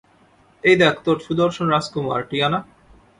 এই দেখ তোর সুদর্শন রাজকুমার, টিয়ানা।